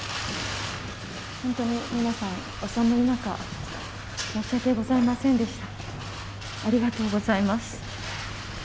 本当に皆さん、お寒い中、申し訳ございませんでした。